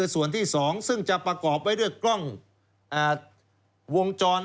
ส่วนที่๒ซึ่งจะประกอบไว้ด้วยกล้องวงจร